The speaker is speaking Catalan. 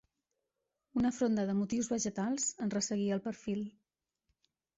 Una fronda de motius vegetals en resseguia el perfil.